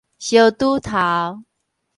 相拄頭